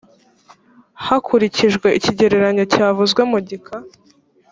hakurikijwe ikigereranyo cyavuzwe mu gika